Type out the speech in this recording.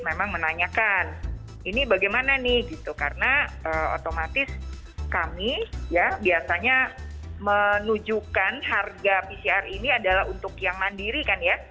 ditanyakan ini bagaimana nih karena otomatis kami biasanya menunjukkan harga pcr ini adalah untuk yang mandiri kan ya